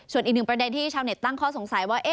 ส่วนอีกหนึ่งประเด็นที่ชาวเน็ตตั้งข้อสงสัยว่า